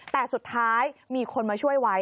แต่สุดท้ายมีคนมาช่วยไว้